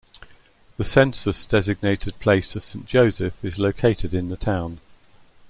The census-designated place of Saint Joseph is located in the town.